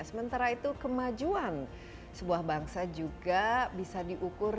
sementara itu kemajuan sebuah bangsa juga bisa diukur